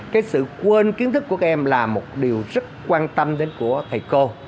cái sự quên kiến thức của các em là một điều rất quan tâm đến của thầy cô